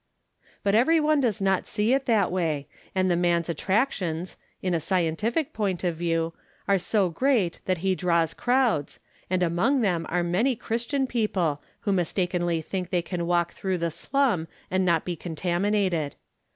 But every one does not see it that Avay, and the man's attractions, in a scientific point of view, are so great that he draws crowds, and among them are many Christian people, who mistakenly think they can walk through the slum and not 234 From Different Standpoints. he contaminated.